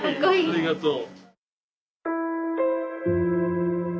ありがとう。